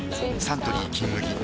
サントリー「金麦」